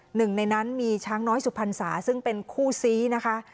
หนึ่งในนั้นมีช้างน้อยสุพรรษาซึ่งเป็นคู่ซีนะคะ